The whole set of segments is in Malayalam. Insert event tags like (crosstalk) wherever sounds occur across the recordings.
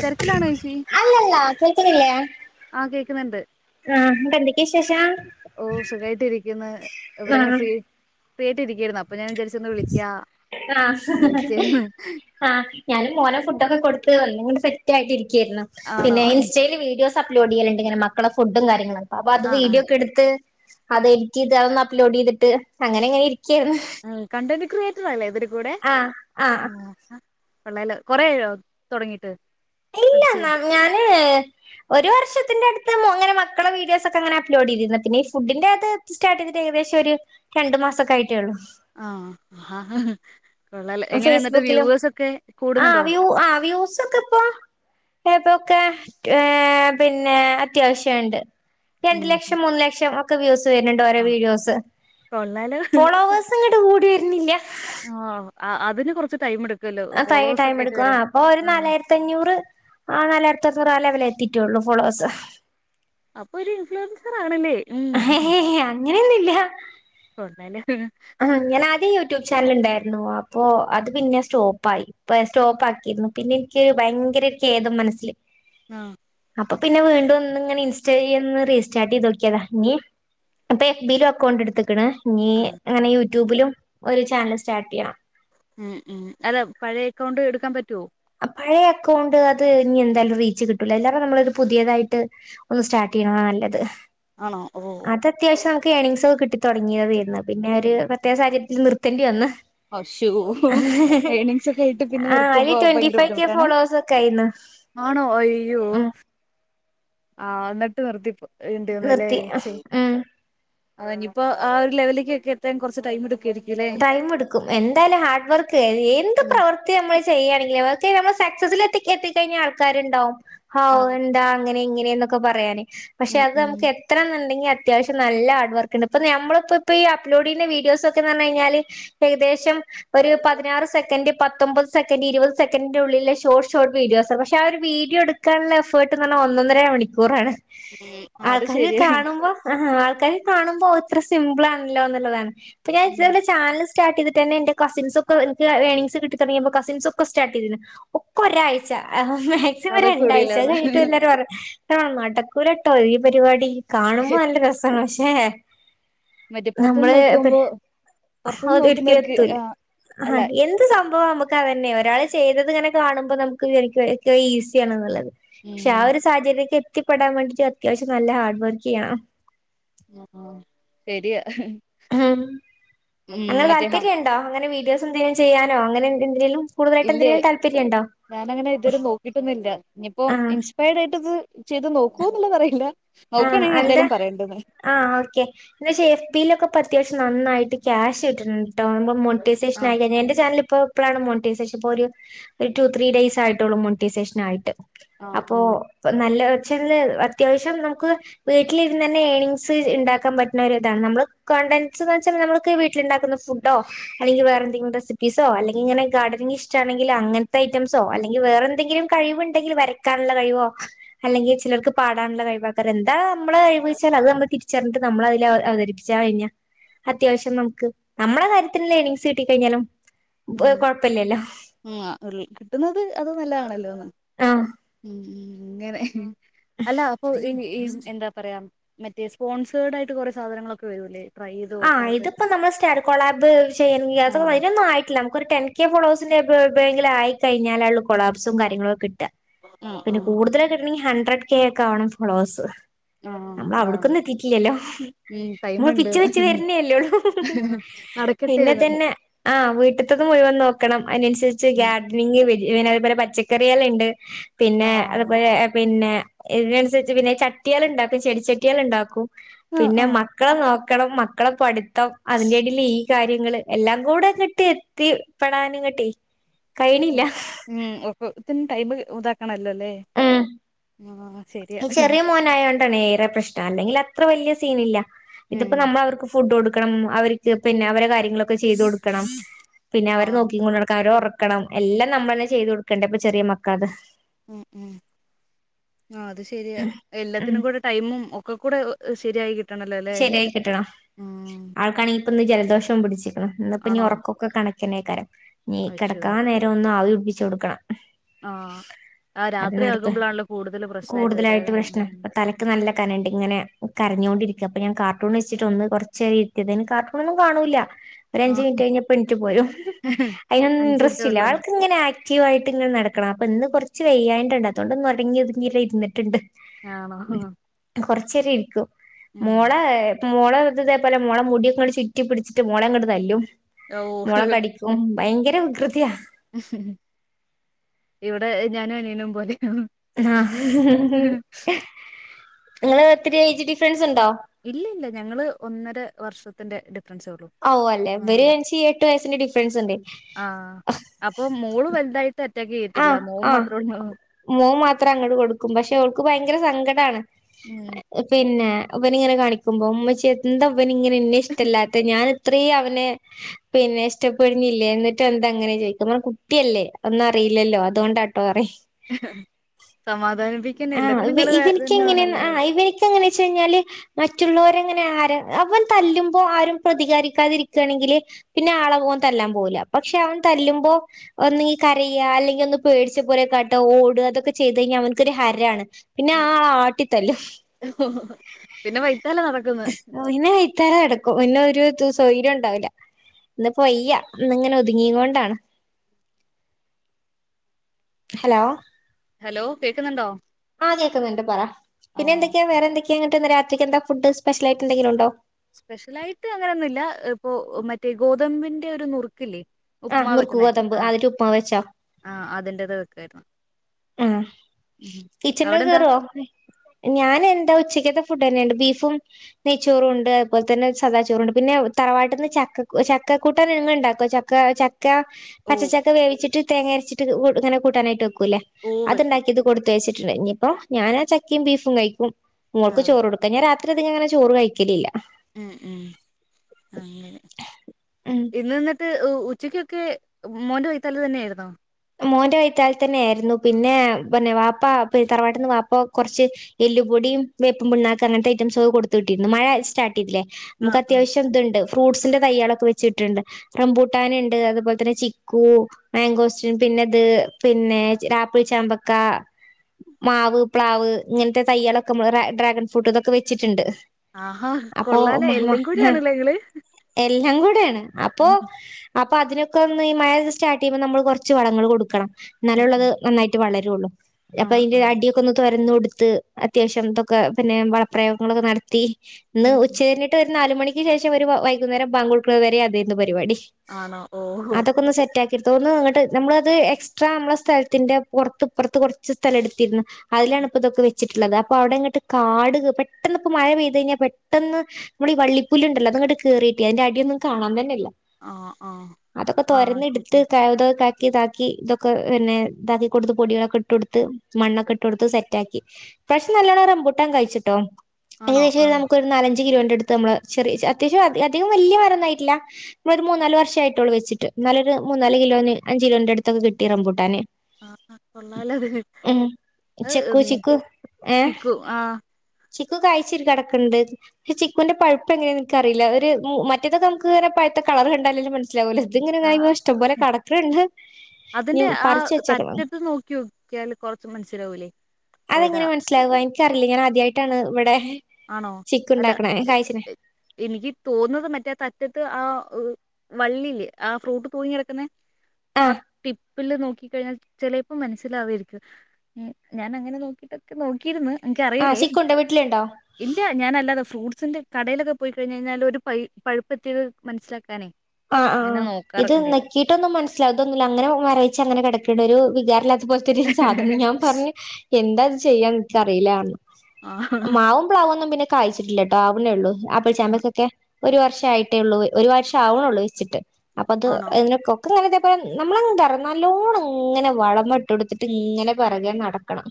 തെരക്കിലാണോ ഏച്ചി അല്ലല്ല കേക്കണില്ലേ? ആ കേക്കുന്നുണ്ട് വിശേഷം ഓ സുഖമായിട്ട് ഇരിക്കുന്ന എവിടെങ്ങനെ ആഹ് ഫ്രീ ഫ്രീയാട്ട് ഇരിക്കരുന്നു അപ്പൊ ഞാൻ വിചാരിച്ചു ഒന്ന് വിളിക്കാം ആഹ് വിളിച്ചിരുന്നു ആഹ് ഞാനൊരു മോന്ക് ഫുഡൊക്കെ കൊടുത്ത് ഒന്നങ്ങട് സെറ്റ് ആയിട്ടിരിക്കായിരുന്നു ആണോ പിന്നെ ഇൻസ്റ്റയിൽ വീഡിയോസ് തപ്പിക്കോണ്ടിങ്ങനെണ്ട് ഇങ്ങനെ മക്കളെ ഫുഡ് കാര്യങ്ങളക്ക അപ്പ അത് ആഹ് വീഡിയോക്കെ എടുത്ത് അത് എഡിറ്റ് ചെയ്ത് അതൊന്ന് അപ്ലോഡ് ചെയ്തിട്ട് അങ്ങനെ അങ്ങനെ ഇരിക്കായിരുന്നു ആ കണ്ടന്റ് ക്രിയേറ്റർ ആണേ ഇവരെ കൂടെ ആഹ് ഓ ആഹ് ഹാ കൊള്ളലോ കൊറെ ആയോ തൊടങ്ങിട്ട് ഇല്ല അച്ച് ഞാന് ഒരു വർഷത്തിന്റെ അടുത്ത് ആവും അങ്ങനെ മക്കളെ വീഡിയോസ് ഒക്കെങ്ങനെ അപ്ലോഡ് ചെയ്തിന്ന പിന്നെ ഈ ഫുഡിൻ്റെ അത് സ്റ്റാർട്ട് ചെയ്തിട്ട് ഏകശം ഒരു രണ്ട് മാസംക്കെ ആയിട്ടേ ഉള്ളൂ ആഹ് ആഹാ കൊള്ളാലോ എങ്ങനെ എന്നിട്ട് ഫേസ്ബുക്കിലും വ്യൂവേഴ്സ് ഒക്കെ ആ കൂടുന്നുണ്ടോ വ്യൂ ആ വ്യൂസൊക്കെ പ്പൊ ഏതൊക്കെ ഏ പിന്നെ അത്യാവശ്യവുണ്ട് രണ്ട് ഉം ലക്ഷം മൂന്ന് ലക്ഷം ഒക്കെ വ്യൂസ് വരുന്നുണ്ട് ഓരോ ആഹ് വീഡിയോസ് കൊള്ളാലോ ഫോളോവേഴ്സ്. സു അങ്ങട് കൂടി വരുന്നില്ല. ആഹ് അതിന് കുറച്ച് ടൈം എടുക്കും. ആ തൈ ടൈം എടുക്കു ആ അപ്പോ ഒരു നാലായിരത്തി രത്തഞ്ഞൂറ് ആ നാലായിരത്തിഅർന്നൂറ് ആ ലെവലെത്തിറ്റേള്ളൂ ഫോളോഴസ്. ആഹ് അപ്പൊ ഒരു ഇൻഫ്ലുവൻസർ ആണ്ല്ലേ? അങ്ങനെയൊന്നില്ല. (unintelligible) ആഹ് ഞാൻ ആദ്യ യൂട്യൂബ് ചാനൽ ഉണ്ടായിരുന്നു അപ്പൊ അത് പിന്നെ സ്റ്റോപ്പായി. പ്പത് സ്റ്റോപ്പ് ആക്കിയിരുന്നു പിന്നെ എനിക്കൊരു ഭയങ്കര ഒരു കേദം മനസ്സില്. ആഹ്. അപ്പൊ പിന്നെ വീണ്ടുംന്ന് ഇങ്ങന ഇൻസ്റ്റേ ഒന്ന് റീസ്റ്റാർട്ട്യ്തോക്കിയതാ ഇനി അപ്പൊ എ ഫ് ബിയിലും അക്കൗണ്ട് എടുത്തക്കണ് ഇനി ആഹ് അങ്ങനെ യൂട്യൂബിലും ഒരു ചാനൽ സ്റ്റാർട്ട് ചെയ്യണം. ആ ആഹ് അല്ല പഴയ അക്കൗണ്ട് എടുക്കാൻ പറ്റോ. ആ പഴയ അക്കൗണ്ട് അത് ഇനി എന്തായാലും റീച്ച് കിട്ടൂല അല്ലാതെ നമ്മളിത് ഒരു പുതിയതായിട്ട്. ഒന്ന് സ്റ്റാർട്ട്യ്യ്ണതാ നല്ലത്. ആണോ ഓഹോഹോ. അത് അത്യാവശ്യം നമുക്ക് ഏണിങ്സൊക്കെ കിട്ടി തുടങ്ങിയതയിരുന്നു പിന്നെ ഒരു പ്രത്യേക സാഹചര്യൽ നിർത്തേണ്ടി വന്ന്. അശോഹ് ഏണിങ്സ് ഒക്കെ ആയിട്ട് പിന്നെ ആ അതില് നിർത്തുമ്പോ. ട്വന്റി ഫൈവ് കെ ഭയങ്കരബുദ്ധിമുട്ടാണേ ഫോളോവേഴ്സ് ഒക്കെ ആയിന്ന് ആണോ അയ്യോ. ഉം ആഹ് ന്നിട്ട് നിർപ്പോ ഏണ്ടിവന്ന്ലെ നിർത്തി ഛേ. ഉം അതെങ്കി ഇനിയിപ്പോ ആ ഒരു ലെവലിലെക്കൊക്കെ എത്താൻ കുറച്ച് ടൈം എ ടൈം എടുക്കും എന്തായാലും ഹാർഡ് വർക്ക് ചെയ്ത് എന്ത് ഉം പ്രവർ ത്തി നമ്മള് ചെയ്യയാണെങ്കിലും ഒക്കെ നമ്മള് സക്സസിൽ എത്തികഴിഞ്ഞാൽ ആൾക്കാരുണ്ടാവും ഹാവൂ ഉം എന്താ. അങ്ങനെ ഇങ്ങനെയന്നൊക്കെ പറയാന് പക്ഷെ അത് ഉം നമുക്കെ എത്രണുണ്ടെകിൽ അത്യാവശ്യം നല്ല ഹാർഡ് വർക്ക്ണ്ട് ഇപ്പൾ നമ്മളിപ്പപ്പോ ഈ അ്ലോഡ് ചെയ്യുന്ന വീഡിസൊക്കെ. ക്കെവന്നു കഴിഞ്ഞാൽ ഏകദേശം ഒരു പതിനാറ് സെക്കൻഡ് പത്തൊമ്പത്. സെ സെക്കന്റ് ഇരുവതു സെക്കന്റിന്റെ ഉള്ളിലെ ഷോട്ട് ഷോർ വീഡിയോസ് ആണ് പക്ഷേ ആ ഒരു വീഡിയോ എടുക്കാനുള്ള എഫേർട്ട് ന്ന് പറഞ്ഞാ ഒന്നര മണിക്ക ക്കൂറാണ് ഉം അത് ആൾക്കാര് ശരിയ കാണുമ്പോ. ആഹ് ആൾക്കാര് കാണുമ്പോൾ ഇത്ര സിമ്പിൾ ആണല്ലോ എന്നുള്ളതാണ് പിന്നെ ഞാൻ ഇ ചാനല് സ്റ്റാട്ട്തിട്ടെന്നെ എന്റെ കസിൻസൊക്കെ എനിക്ക് ഏണിങ്സ് കിട്ടി തൊങ്ങിയപ്പോ കസിൻസ് ഒക്ക സ്റ്റാർ്ട്ട്യ്തിന്. ഒക്ക ഒരാഴ്ച. രാഴ്ച അത് രണ്ടാഴ്ച അത് കൂടിയില്ലന്ന് കഴിഞ്ഞട്ട് എല്ലരും പറയു നടക്കൂലട്ടോ ഈ പരിപാടി. കാണുമ്പോ നല്ല രസാണ് പക്ഷേ മറ്റേ പുറത്തുന്ന് നമ്മള് നോക്കുമ്പോ പുറത്തുന്ന് അത് ഒരിക്കും നോക്കുന്നവർക്ക് എത്തൂല ആ അല്ല ആഹ് എന്ത് സംഭവാ നമക്ക് തന്നെ ഒരാൾ ചെയ്തത്ങ്ങനെ കാണുമ്പോ നമുക്ക്ചാരിക്കും ഏറ്റവും ഈസിയ ആണെന്നുള്ളത് പക്ഷെ ആ ഉം ഒരു. സാഹചര്യക്കെ എത്തിപ്പെടാൻ വേണ്ടിട്ട് അത്യാശ്യം നല്ല ഹാർഡ് വർക്ക് ചെയ്യണം. ആഹ് ശരിയാ ഉം ഉം അങ്ങനെ മറ്റേ താല്പര്യണ്ടോ അങ്ങനെ വീഡിയോസ് എന്തെങ്കിലും ചെയ്യാനോ അങ്ങനെ എ എന്തിനെലും? ഇല്ല ഞാനങ്ങനെ ഇതുവരെ നോക്കിട്ടൊന്നില്ല ഇനിയിപ്പോ ആഹ് ഇ ഇപ്പോേടായിട്ട്ത് ചെയ്ത് നോക്കുവോ എന്നുള്ളതറിയില്ല ആഹ് നോക്കുകണെങ്കിൽ അന്റെ ഞാനെന്തായാലും പറയണ്ട്ന്ന്. ആഹ് ഓക്കെ ന്നാ എ ഫ് ബി യിലൊക്കെ അത്യാവശ്യം നന്നായിട്ട് ക്യാഷ് കിട്ടുന്നുണ്ട്ട്ടൊ മോട്ടിസെക്ഷൻ ആയികഴിഞ്ഞ ന്റെ ചാനല് ഇപ്പൊ ഇപ്പോളാണ് മോൺട്ടിവ് സേഷൻ ഇപ്പൊ ഒരു ടു ത്രീ ഡെയയ്സ് ആയിട്ടുള്ളൂ മോൺട്ടിവ് സേഷൻ ആയിട്ട് അപ്പോ നല്ല വച്ചന്ന് അത്യാവശ്യം നമു ക്ക് വീട്ടിൽ ഇരുന്നന്നെ ഏണിങ്സ് ഉണ്ടാക്കാൻ പറ്റുന്ന ഒരു ഇതാണ് നമ്മള് കണ്ടൻസ് എന്ന് വെച്ചൽ നമ്മക്ക് വീട്ടിലുണ്ടാക്കുന്ന ഫുഡോ അല്ലെങ്കി വേറെന്തെങ്കിലും റെസിപ്പിസോ അല്ലെങ്കിൽ ഇങ്ങനെ ഗാർഡനിങ് ഇഷ്ടാണെങ്കിൽ അങ്ങൻതെ ഐറ്റംസോ അല്ലെങ്കി വേറെന്തങ്കിലും കഴിവുണ്ടെങ്കിൽ വരയ്ക്കാനുള്ള കഴിവോ അല്ലെങ്കിൽ ചിലർക്ക് പാടാനുള്ള കഴിവോക്കെ അഹ് എന്താ അമ്മളെ കഴിവെച്ച അത് അമ്മള് തിരിച്ചറിഞ്ഞട്ട് അമ്മളത് അവതരിപ്പിച് കഴിഞ്ഞ അത്യാവശ്യംനമുക്ക്നമ്മളെ കാര്യത്തിനുള്ളഎണിങ്സ് കിട്ടിക്കഴിഞ്ഞാലുംഒരുകൊഴപ്പല്ലല്ലോ ഉംആഹ് കിട്ടുന്നത്അത് നല്ലതാണല്ലോന്ന് ആഹ് ഉം ഇങ്ങനെ അല്ല അപ്പൊ ഇഞ് ഈസ് എന്താ പറയാ മറ്റേ സ്പോൺസേർഡായിട്ട് കൊറെേ സാധനങ്ങളൊക്കെവരുംല്ലേ ആഹ്ഇതിപ്പ നമ്മള്സ്റ്റാഡ്കോളാബ് ആഹ് ചെയ്യണെങ്കിഅയിനൊന്നായിട്ടില്ല ഒരുടെൻകെഫളേഴ്സിന്റെ ബോബ്കില്ആയികഴിഞ്ഞാല കോളാബ്സും കാര്യങ്ങളൊക്കെകിട്ട ആഹ് ആഹ് പിന്നെകൂടുതല്കിട്ടണങ്കി ഹണ്ടഡ്രഡ്കെ ക്കെആവണം ഫളോഴസ് ആഹ് ആഹ് നമ്മഅവിടക്കൊന്നും എത്തിട്ടില്ലല്ലോ ഉം ടൈമുണ്ട് നമ്മൾപിച്ചവെച്ച് വരണേല്ലോള്ളു നടക്കട്ടെന്ന് പിന്നെതന്നെ ആ്ൾഹ് വീട്ടത്തത് മുഴുവൻനോക്കണം ഉം അയിനനുസരിച്ച്ഗ്യാ റിങ്ങിവരെ അത്പോലെ പച്ചക്കറിയെല്ണ്ട് പിന്നെ ആഹ് അത്പോലെ പിന്നെ ഇതിനനുസരിച്ച് പിന്നെചട്ടിയേള് ണ്ടാക്കും ചെടിച്ചട്ടിയേള്ണ്ടാക്കും ആഹ് ആഹ് പിന്നെമക്കളെനോ ക്കണം മക്കളെ പഠിത്തം അതിന്റെടിൽഈ കാര്യങ്ങള്എല്ലാംകൂടെ ഇങ്ങട്ട് എത്തിപ്പെടാനും ങ്ങട്ടികഴിണില്ല ഉം ഉം ഒക്കത്തിന് ടൈമ് ഇതാക്കണല്ലോ ല്ലേ ഹ് ഈചെറിയമോനായോണ്ടാണ് ഏറെപ്രശ്നംഅല്ലെങ്കി അത്രവലിയ സീനില്ല ഇതിപ്പോ ഉം നമ്മള വർക്ക്ഫുഡ് കൊടുക്കണംഅവര്ക്ക്പിന്നെ അവരെകാര്യങ്ങള് ഒക്കെ ചെയ്തൊടുക്കണം പിന്നെ അവരെ ആഹ് നോക്കിങ്ങോട് നടക്കഅവരോർ ക്കണം എല്ലാം നമ്മളെന്നെ ചെയ്തു കൊടുക്കേണ്ടേ ഇപ്പൊ ചെറിയമക്കാ അത് ഉ ഉം ആഹ് അത് ശെരിയാ ഉം എല്ലാത്തിനും കൂടെ ടൈമും ഒക്കെ കൂടെ ശെരിയായി കിട്ടണല്ലോല്ലേഉം ഇൻ ക്കണി ഇപ്പൊന്ന് ജലദോഷം പിടിച്ചിക്ക്ണ് ഇന്ന് ഇപ്പഞ്ഞി ആണോ ഒറക്കൊക്കെ കണക്കന്നെയിക്കാരം അശോ ഞ്ഞികെടക്കാനേ ഇഞ്ഞോന്ന് ആവിടിപ്പിച്ചു കൊടുക്കണം അത് ആഹ്ആരാത്രി നടക്ക ആകുമ്പോളാണല്ലോകൂടുതല് പ്രശ്നമായിട്ട് വരലെഉം തലക്ക്നല്ലകനണ്ട്ഇങ്ങനെ കരഞ്ഞുകൊണ്ടിരി ചെപ്പം ഞാൻകാർട്ടൂൺവെച്ചിട്ട് ഒന്ന്കൊറചേരര്ത്തിയതിന് കാർട്ടൂണോന്നുംകാണൂല്ല ആഹ് ഒരഞ്ചുമിനിറ്റ്കഴിഞ്ഞപെണിറ്റ് അഞ്ച് മിനിറ്റ് പോരുംഅയിനൊന്നിൻട്രസ്റ്റില്ല ഉള്ളത് ആൾക്കിങ്ങനെആ ക്റ്റീവായിട്ട്ങ്ങനെ നടക്കണംഅപ്പൊ ഇന്ന്കൊറച്ച് വെയ്യായിണ്ട്ണ്ട് അതോണ്ട്ന്ന് അടങ്ങിഒതുങ്ങിര്ന്ന്ട്ട്ണ്ട് ആണോ കൊറച്ചേരരിക്കും ഉം മോളേമോളെഇത് തേപോലെമോളേ മുടിക്കെണ്ട്ചുറ്റിപിടിച്ചിട്ട്മോങ്ങണ്ട്തല്ലും. ഓഹ് മോളേകടിക്കുംഭയങ്കരവികൃതിയ ഇവിടെഞാനുംഅനിയനും പോലെ ആഹ് നിങ്ങള് ബർത്ത്‌ഡേഏജ് ഡിഫറൻസ്ണ്ടോ ഇല്ലഇല്ല ഞങ്ങള് ഒന്നര വർഷത്തിന്റെഡിഫറൻസേഒള്ളു ഓഹ്അല്ലേവര് ഞ്ചിഎട്ട് വയസ്സിന്റെ ഡിഫറൻസ്ണ്ട് ആഹ് അപ്പൊമോള് വലുതായിട്ട് അറ്റാക്ക് ചെയ്യത്തില്ല മോമാത്രേള്ളൂ മോമാത്രംഅങ്ങട്ട്കൊടുക്കും പക്ഷെ ഓൾക്ക്ഭയങ്കര സങ്കടാണ് ആഹ് പിന്നെ ഇവനിങ്ങനെ കാണിക്കുമ്പോ ഉമ്മച്യ ന്താവനിങ്ങനെ ഇന്നെ ഇഷ്ടല്ലാത്തെ ഞാൻ ത്രേംയവനെ പിന്നെ ഇഷ്ടപ്പെടുന്നില്ലേ എന്നിട്ട്ന്താങ്ങനെ ചോയിക്കും നമ്മളെ കുട്ടിയല്ലേഒന്ന റിയില്ലല്ലോ അതോണ്ടാട്ടോ അറി സമാധാനിപ്പിക്കെന്നെ എല്ലത്തിനും ങ്ങള്തന്നെ വേണല്ലോല്ലേ എങ്ങനെ ചെയ്ഞ്ഞാല് മറ്റുള്ളവരെങ്ങനെ ആര അവൻ തല്ലുമ്പോ ആരും പ്രതികാരിക്കാതിരിക്കാണെങ്കില് പിന്നെ ആളെ ഓൻ തല്ലാൻ പോവൂല്ല പക്ഷെ അവൻ തല്ലുമ്പോ ഒന്നെങ്കി കരയ അല്ലെങ്കിഒന്ന്പേടിച്ച പോലെ കാട്ടഓടാ അതൊക്കെ ചെയ്തെഴിഞ്ഞാഅവ ന്ക്കൊരു ഹരാണ്. പിന്നെ ആ ആട്ടിത്തല്ലും പിന്നെ വൈത്താലെ നടക്കുന്ന് പിന്ന വയ്താലേ നടക്കുംപിന്നെരു ത് സൗര്യംണ്ടാവൂല ഇന്നിപ്പോവെയ്യ ഇന്ന്ങ്ങനെ ഒതുങ്ങിങ്ങോണ്ടാണ് ഹലോ ഹലോ കേക്കുന്നുണ്ടോ ആഹ് കേൾക്കുന്നുണ്ട് പറ ആഹ് പിന്നെന്തക്കെയാ വേറെന്തൊക്കെയാ ന്ന്ട്ട് രാത്രിക്കന്താ ഫുഡ് സ്പെഷ്യൽ ആയിട്ട്ന്തെങ്കിലും ഉണ്ടോ സ്പെഷ്യലായിട്ട് അങ്ങനെയൊന്നുല്ല ഇപ്പൊ മറ്റേ ഗോതമ്പിന്റെ ഒരു നുറുക്കില്ലേ ആഹ് ഉപ്പു്മാവ് നുറുക്ക് വെക്കുന്നേ ഗോതമ്പ് ആഹ് അതില് ആ ഉപ്പ്മാവ് വെച്ചോ? ആ അതിന്റത് വെക്കേരുന്നു ആ കിച്ചൻ ലേക്ക് കേറോ ഞാൻ എന്താ ഉച്ചക്കത്തെ ഫുഡ് ന്നെണ്ട് ബീഫും നെയ്ച്ചോറുണ്ട് അതുപോലെ തന്നെ സദാച്ചോറുണ്ട് പിന്നെ തറവാട്ടിന്ന് ചക്ക ചക്ക കൂട്ടാൻ എന്ന് ഉണ്ടാക്കു ച ചക്ക ചക്ക ഓ പച്ച ചക്ക വേവിച്ച്ട്ട് തേങ്ങ അരച്ചിട്ട് ഇങ്ങനെ കൂട്ടാനായിട്ട് വെക്കൂല്ലേ ഓ അത് വെക്കും ഉണ്ടാക്കിയത് കൊടു കൊടുത്തയച്ചിട്ടുണ്ട് ഇനിയിപ്പോ ഞാൻ ആ ചക്കിം ബീഫും കഴിക്കും മോൾക്ക് ആഹ് ചോറ് കൊടുക്കും ഞാ രാത്രി അതികഅങ്ങനെ ചോറ് കഴിക്കലില്ല ഉം ഉംഅങ്ങനെ ഉം ഇന്ന്ന്ന് ഉച്ചക്കൊക്കെ മോൻ്റെ വയ്ത്താല് തന്നെയായിരുന്നോ മോന്റെ വൈത്താൽ തന്നെരുന്നു പിന്നെ പിന്നെ വാപ്പ തറവാട്ടിന്ന് വാപ്പ കൊറച്ച് എല്ലുപൊടി വേപ്പും പിണ്ണാക്ക് അങ്ങനത്തെ ഐറ്റംസ് കെ കൊടുത്ത് വിട്ടിരുന്നു മഴ സ്റ്റാട്ട് തില്ലേ നമുക്ക് ആഹ് ആഹ് അത്യാവശ്യം ഇതുണ്ട് ഫ്രൂട്ട്സിന്റെ തയ്യളൊക്കെ വെച്ചിട്ടുണ്ട് റംബൂട്ടാന്ണ്ട് അതുപോലെ തന്നെ ചിക്കു മാങ്കോസ് പിന്നെത് പിന്നെ ആപ്പിൾ ചാമ്പക്ക മാവ് പ്ലാവ് ഇങ്ങനത്തെ തയ്യളൊക്കെ നമ്മള് ഡ്രാഗൺ ഫ്രൂട്ട് ഇതൊക്കെ വെച്ചിട്ടുണ്ട് ആഹാ അപ്പൊ കൊള്ളാലോ മഹ എല്ലാം കൂടി മഹാ ആണല്ലേ ഇങ്ങള് എല്ലാം കൂടെയാണ് അപ്പൊ അപ്പൊ അതിനൊക്കെ ഒന്ന് ഈ മഴ സ്റ്റാർട്ട് ചെയ്യുമ്പോൾ നമ്മൾ കുറച്ച് വളങ്ങൾ കൊടുക്കണം ഉം എന്നാലുള്ളത് ഉം നന്നായിട്ട് വളരോള്ളു അപ്പൊ ആഹ് അതിന്റെ ആഹ് അടിയൊ തോരന്ന് കൊടുത്ത് അത്യാവശ്യം ഇതൊക്കെ പിന്നെ വളപ്രയോഗങ്ങളൊക്കെ നടത്തി ഇന്ന് ഉം ഉം ഉച്ചതിരി ഇന്നൊരു നാല്മണിക്ക് ശേഷം ഒരു വൈകുന്നേരം ബാങ്കോട്ക്ണ വരെ അതെര്ന്നു പരിപാടി ആണോ ഓഹോ അതൊക്കെ ഒന്ന് സെറ്റ് ആക്കിടത്തു തോന്ന് അങ്ങോട്ട് നമ്മളത് എക്സ്ട്രാ നമ്മള സ്ഥലത്തിന്റെ പുറത്ത്പ്പറത്ത് കുറച്ച് സ്ഥലം എടുത്തിരുന്നു അതിലാണ്പ്പ തൊക്കെ വെച്ച് വെച്ചിട്ടുള്ളത് അപ്പൊ അവിടെ ഇങ്ങട്ട് കാട് പെട്ടെന്ന് ഇപ്പോ മഴ പെയ്ത് കഴിഞ്ഞാൽ പെട്ടെന്ന് നമ്മളീ വള്ളിപ്പുല്ല് ണ്ടല്ലോ അതങ്ങോട്ട് കേയറിട്ട് അതിന്റെ അടിയൊന്നും കാണാൻ തന്നെല്ല ആഹ് ആഹ് അതൊക്കെ ആഹ് തൊരന്ന്ട്ത്ത് ശരിയാ കത ഇതാക്കി ഇതാക്കികൊടുത്ത് ഇതൊക്കെ പിന്നെ ഇതാക്കി കൊടുത്ത് പൊടികളൊക്കെ ഇട്ട കൊടുത്ത് മണ്ണൊക്കെ ഇട്ട് കൊടുത്ത് സെറ്റ് ആക്കി ഇപ്രാവശ്യം നല്ലോണം റംമ്പുട്ടൻ കഴിച്ചിട്ടോ ആണോ ഏകദേശം ആഹ് നമുക്ക ഒരു നാലഞ്ചു കിലോന്റെ അടുത്ത് നമ്മള് ചെറിയ അത്യാവശ്യം അധികം വലിയ മാരോന്നായിട്ടില്ല നമ്മളൊരു മൂന്നാല് വർഷ ആആയിട്ടുള്ളു വച്ചിട്ട് ഇന്നാലൊരു മൂന്നാല് കിലോന് അഞ്ചു കിലോത്തിന്റഅടുത്തൊക്കെ കിട്ടിറമ്പൂട്ടാന് ആ കൊള്ളാലത് ചെക്കു ഉ ചിക്കു ഏഹ് ചിക്കു ആഹ് ചിക്കു കായ്ച്ചിരി കിടക്കണ്ട് പ ചിക്കുന്റെ പഴുപ്പ് എങ്ങനെ എനിക്കറിയില്ല ഒരു മറ്റേതക്കെ നമുക്ക്ങ്ങനെ പഴുത്ത കളർ കണ്ടാലല്ലെ മനസ്സ് ഇല ആഹ് ഇങ്ങനെോ ഇഷ്ട്ടം പോലെ കടക്ണ്ട് അതിന്റെ ആ തറ്റത്ത് നോക്കി നോക്കിയാൽ കൊറച്ച് മനസ്സിലാവൂലേ ഏതാ സ്ലവ് വനിക്കറീല്ല ഞാൻ ആദ്യയിട്ടാണ് ഇവിടെ ആണോ ചിക്കു അല്ല ണ്ടാക്കണെ കാഴ്ചിനെ എ എനിക്ക് തോന്നുന്നത് മറ്റേ തറ്റത്ത് ആ വള്ളിയില് ആ ഫ്രൂട്ട് തൂങ്ങി കിടക്കുന്നെ ആ ആഹ് ടിപ്പില് നോക്കി കഴിഞ്ഞാൽ ചെലെപ്പോം മനസ്സിലാവായിരിക്കും ഞാൻ അങ്ങനെ നോക്കിട്ടൊക്കെ നോക്കിയിരുന്ന് എനിക്കറിയില്ലേ നിന്റെ വീട്ടിലുണ്ടോ ഇല്ല ഞാനല്ലാതെ ഫ്രൂട്ട്സിന്റെ കടയിലൊക്കെ പോയി കഴിഞ്ഞാൽ ഒരു പ പഴുപ്പ് എത്തിയത് മനസ്സിലാക്കാനേ ആ അങ്ങനെ ഇത് നോക്കാറൊക്കെണ്ട് നക്കീട്ടൊന്നും മനസിലാവതൊന്നുമില്ല അങ്ങനെ മരവിച്ചങ്ങനെ കിടക്കണ്ണ്ട് ഒരുവികാര അതുപോലത്ത ഒരു സാധനം ഞാൻ പറഞ് എന്താ ഇത് ചെയ്യാന്ന് ഇൻക്കറിയില്ലാന്നറഞ്ഞു ആഹ് മാവും പ്ലാവും ഒന്നും പിന്നെ കായ്ച്ചിട്ടില്ലട്ടോ ആവിണൊള്ളൂ ആപ്പിൾ ആഹ് ചാമ്പക്കൊക്കെ ഒരു വർഷ ആയിട്ടേ ഒള്ളൂ ഒരു വർഷം ആവണള്ളൂ വെച്ചിട്ട് അപ്പ അത് ആണോ അതിനൊക്കെ ങ്ങനെ ഇതേപോലെ നമ്മളല്ലോണം ഇങ്ങനെ വളമ ഇട്ടോട്ത്ത്ട്ട് ഇങ്ങനെ പിറകെ നടക്കണം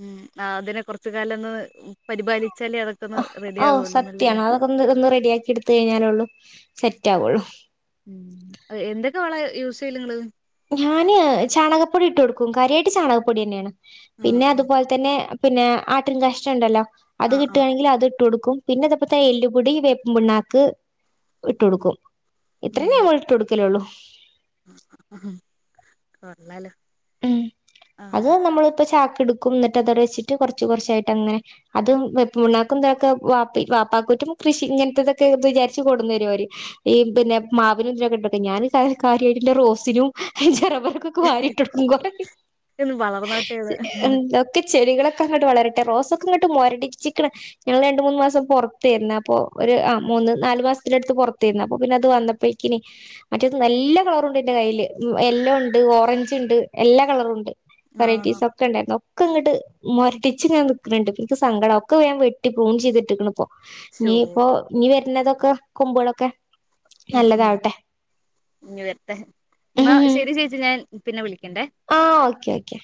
ഇമ് അതിനെ കൊറച്ച് കാലൊന്ന് പരിപാലിച്ചാലേ അതൊക്കൊന്ന് ഓ റെഡിയാവുന്നൊള്ളൂന്നല്ലേ. സത്യാണ് അതൊക്കെ ഒന്ന് ഇതൊന്ന് റെഡിയാക്കി എടുത്ത് കഴിഞ്ഞാലൊള്ളൂ സെറ്റാവെള്ളു. ഉം എന്തൊക്കെ വളാ യൂസ് ചെയല് നിങ്ങള്. ഞാന് ചാണകപ്പൊടി ഇട്ട് കൊടുക്കും. കാര്യായിട്ട് ചാണകപ്പൊടിന്നെയാണ്. ആഹ് പിന്നെ ആഹ് അതുപോലെ തന്നെ പിന്നെ ആട്ടിൻ കാഷ്ഠണ്ടല്ലോ അത് ആഹ് ആഹ് കിട്ടുകയാണെങ്കിൽ അത് ഇട്ട് കൊടുക്കും. പിന്നെ അതപ്പത്തെ എല്ലുപൊടി വേപ്പും പിണ്ണാക്ക് ഇട്ടു കൊടുക്കും. ഉം ഇത്രയും ഞങ്ങള് ഇട്ട് കൊടുക്കലുള്ളൂ. ഉം കൊള്ളാലോ. ഉം അത് ആഹ് നമ്മളിപ്പ ചാക്ക് എടുക്കും. എന്നിട്ട് അതവടെ വെച്ചിട്ട് കൊറെച്ച് കൊറെച്ചായിട്ട് അങ്ങനെ. അതും വെപ്പ്പുണ്ണാക്കും ഇതെക്കെ വാപ്പ വാപ്പാക്കെറ്റും കൃഷി ഇങ്ങനത്തെതെക്കെ വിചാരിച്ച് കൊട്ന്നേരും അവര്. ഈ പിന്നെ മാവിനും ഇതിനുമിതിനുമൊക്കെയിട്ടിട്ടേ ഞാനി കാര്യമായിട്ട് എന്റെ റോസിനും എന്റെ (unintelligible) വാരി ഒന്ന് വളർന്നോട്ടേന്ന് (unintelligible) എന്തോ ക്ക് ചെടികളെക്കെ അങ്ങോട്ട് വളരട്ടെ. റോസൊക്കെ ഇങ്ങട്ട് മൊരെടിച്ചിക്കണ്. ഞങ്ങള് രണ്ടു മൂന്നു മാസം പൊറത്തേരുന്നു. അപ്പൊ ഒരു ആ മൂന്ന് നാല് മാസത്തിന്റെ അടുത്ത് പൊറത്തേരുന്ന്. അപ്പൊ പിന്നെ അത് വന്ന പ്പക്കിന് മറ്റേത് നല്ല കളറുണ്ട് എന്റെ കയ്യില്. യെല്ലോ ഇണ്ട് ഓറഞ്ച്. ഇണ്ട് എല്ലാ കളറൂണ്ട്. ആണോ വെറൈറ്റീസൊ. ഒക്കണ്ടാര്ന്നു. ഒക്ക ഇങ്ങ്ട്ട് മൊരടിച്ച് ഇങ്ങന നിക്ക്ണ് ണ്ട്. ഇപ്പ ഇൻക്ക് സങ്കട. ഒക്ക വേം വെട്ടി പ്രൂൺ ചെയ്തിട്ട്ക്ക്ണ്പ്പൊ. ശോ ഇഞീപ്പൊ ഇഞി വര്ണതൊക്ക കൊമ്പോളൊക്കെ. ഉം ഉം ഇഞി വരത്തെ. ഇന്ന ശരി ചേച്ചി. ഞാൻ പിന്നെ വിളിക്കണ്ടെ. ആഹ് ഓക്കെ ഓക്കെ.